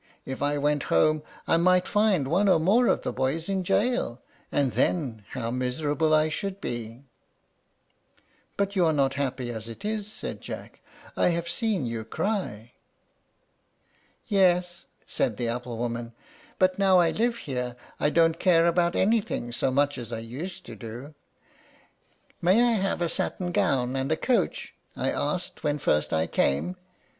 If I went home I might find one or more of those boys in jail, and then how miserable I should be." "But you are not happy as it is," said Jack. "I have seen you cry." "Yes," said the apple woman; "but now I live here I don't care about anything so much as I used to do. 'May I have a satin gown and a coach?' I asked, when first I came.